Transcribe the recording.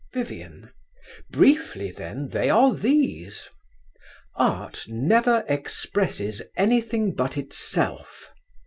VIVIAN. Briefly, then, they are these. Art never expresses anything but itself.